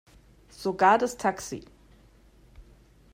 Sogar das Taxi.